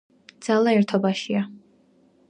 ძალა ერთობაშია